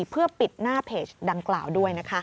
เพื่อปิดหน้าเพจดังกล่าวด้วย